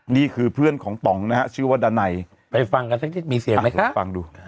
นี่คือเพื่อนของป๋องนะชื่อว่าดาไนไปฟังกันซักทีมีเสียงไหมคะ